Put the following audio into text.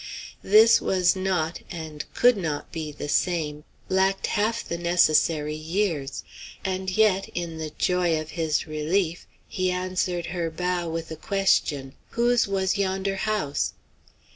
This was not, and could not be, the same lacked half the necessary years; and yet, in the joy of his relief, he answered her bow with a question, "Whose was yonder house?"